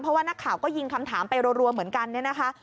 เพราะว่านักข่าวก็ยิงคำถามไปรัวเหมือนกันเนี่ยนะคะ